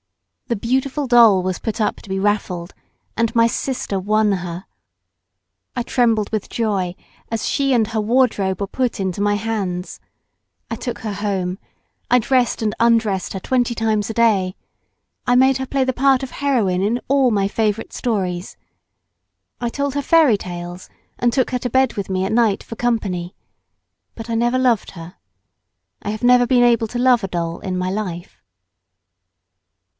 The beautiful doll was put up to be raffled, and my sister won her. I trembled with joy as she and her wardrobe were put into my hands. I took her home. I dressed and undressed her twenty times a day. I made her play the part of heroine in all my favourite stories. I told her fairy tales and took her to bed with me at night for company, but I never loved her. I have never been able to love a doll in my life.